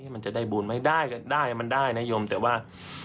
มันจะได้บุญไหมได้ก็ได้มันได้นะยมแต่ว่า